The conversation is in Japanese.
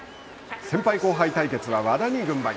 先輩後輩対決は和田に軍配。